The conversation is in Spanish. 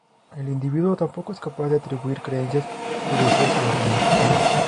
El individuo tampoco es capaz de atribuir creencias y deseos a los demás.